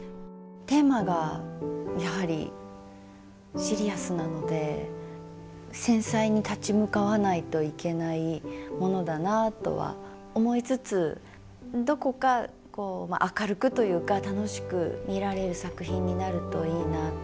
テーマがやはりシリアスなので繊細に立ち向かわないといけないものだなとは思いつつどこかこう明るくというか楽しく見られる作品になるといいなと。